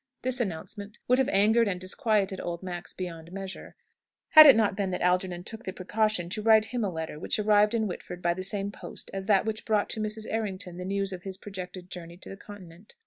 This announcement would have angered and disquieted old Max beyond measure, had it not been that Algernon took the precaution to write him a letter, which arrived in Whitford by the same post as that which brought to Mrs. Errington the news of his projected journey to the Continent.